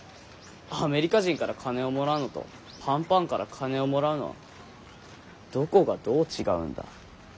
アメリカ人から金をもらうのとパンパンから金をもらうのはどこがどう違うんだ？